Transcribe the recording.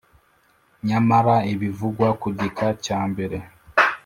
Nyamara ibivugwa ku gika cya mbere